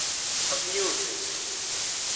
ڇٻيُون سي